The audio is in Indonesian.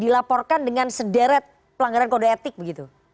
dilaporkan dengan sederet pelanggaran kode etik begitu